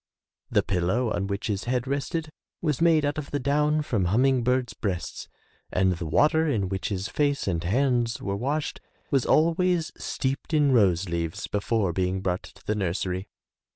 The pillow on which his head rested was made out of the down from humming birds' breasts and the water in which his face and hands were washed was always steeped in rose leaves before being brought to the nursery.